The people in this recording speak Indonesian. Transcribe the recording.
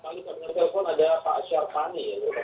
selamat malam pak